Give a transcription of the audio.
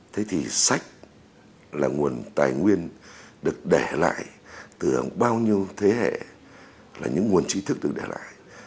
thế thì sách là nguồn tài nguyên được để lại từ bao nhiêu thế hệ là những nguồn trí thức được để lại